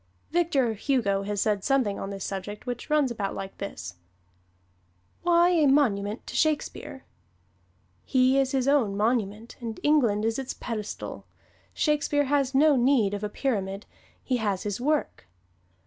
Victor Hugo has said something on this subject which runs about like this: Why a monument to Shakespeare? He is his own monument and England is its pedestal. Shakespeare has no need of a pyramid; he has his work.